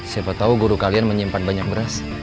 siapa tahu guru kalian menyimpan banyak beras